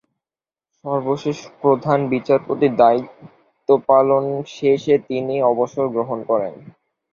সর্বশেষ প্রধান বিচারপতির দায়িত্বপালন শেষে তিনি অবসর গ্রহণ করেন।